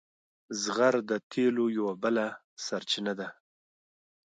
زغر د تیلو یوه بله سرچینه ده.